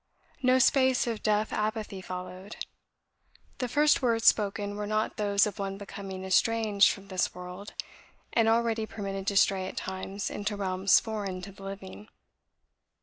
No space of deaf apathy followed. The first words spoken were not those of one becoming estranged from this world, and already permitted to stray at times into realms foreign to the living."